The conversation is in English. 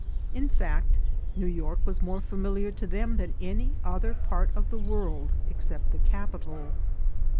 In fact, New York was more familiar to them than any other part of the world except the capital.